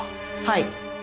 はい。